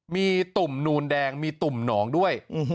มีตุ่มนูนแดงมีตุ่มหนองด้วย